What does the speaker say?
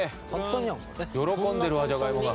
喜んでるわじゃがいもが。